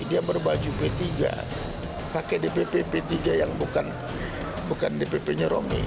dia berbaju p tiga pakai dpp p tiga yang bukan dpp nya romi